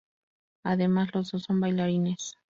Además los dos son bailarines.